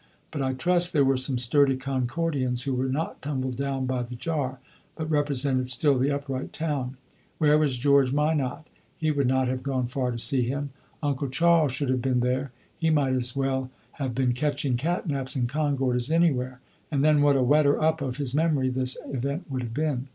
But I trust there were some sturdy Concordians who were not tumbled down by the jar, but represented still the upright town. Where was George Minott? he would not have gone far to see him. Uncle Charles should have been there; he might as well have been catching cat naps in Concord as anywhere. And, then, what a whetter up of his memory this event would have been!